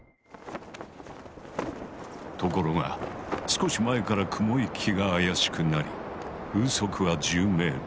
ところが少し前から雲行きが怪しくなり風速は１０ｍ。